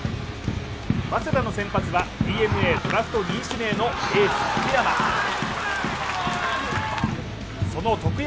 早稲田の先発はＤｅＮＡドラフト２位指名のエース・徳山。